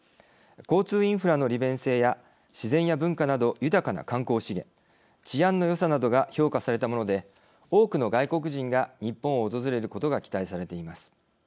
交通インフラの利便性や自然や文化など豊かな観光資源治安のよさなどが評価されたもので多くの外国人が日本を訪れることが期待されています。